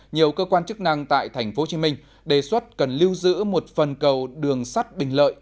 nhiều cơ quan chức năng tại tp hcm đề xuất cần lưu giữ một phần cầu đường sắt bình lợi